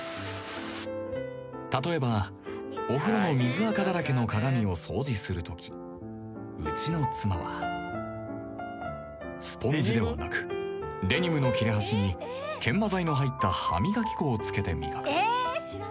例えばお風呂の水あかだらけの鏡を掃除するときうちの妻はスポンジではなくデニムの切れ端に研磨剤の入った歯磨き粉を付けて磨く